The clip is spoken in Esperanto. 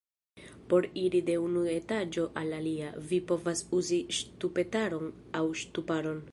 Por iri de unu etaĝo al alia, vi povas uzi ŝtupetaron aŭ ŝtuparon.